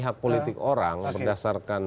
hak politik orang berdasarkan